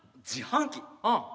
うん。